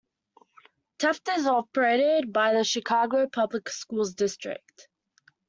Taft is operated by the Chicago Public Schools district.